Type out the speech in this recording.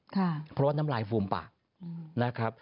เพราะว่าน้ำลายฟูมปาก